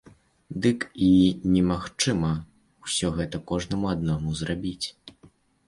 Дык і немагчыма ўсё гэта кожнаму аднаму зрабіць.